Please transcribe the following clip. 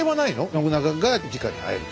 信長がじかに会えるとか。